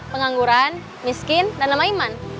pengangguran miskin dan nama iman